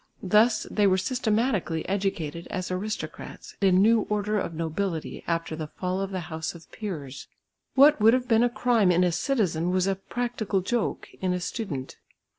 Thus they were systematically educated as aristocrats, a new order of nobility after the fall of the house of peers. What would have been a crime in a citizen was a "practical joke" in a student.